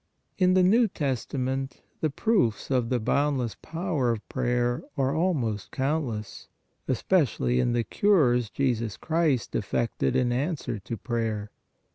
In the New Testament the proofs of the bound less power of prayer are almost countless, especially in the cures Jesus Christ effected in answer to prayer.